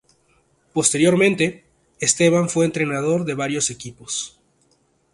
Posteriormente, Esteban fue entrenador de varios equipos.